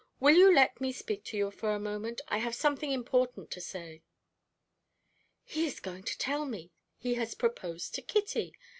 Will you let me speak to you for a moment? I have something important to say." "He is going to tell me he has proposed to Kitty!"